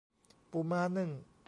ปูม้านึ่ง